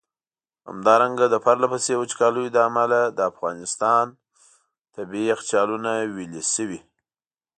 همدارنګه د پرله پسي وچکالیو له امله د افغانستان ٪ طبیعي یخچالونه ویلي شوي.